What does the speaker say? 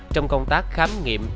trong công tác khám nghiệm